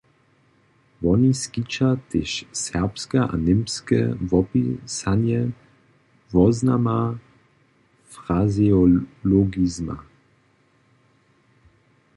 Wón skića tež serbske a němske wopisanje woznama frazeologizma.